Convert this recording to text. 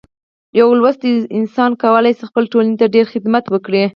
یو لوستی انسان کولی شي خپلې ټولنې ته ډیر خدمت وکړي.